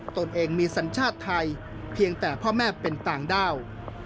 ตนเองมีสัญชาติไทยเพียงแต่พ่อแม่เป็นต่างด้าว